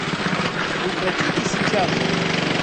Прекратите сейчас же!